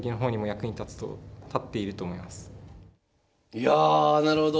いやなるほど。